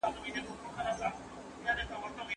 لیکوال د ټولنې د نیمګړتیاوو لپاره مینه د حل لاره بولي.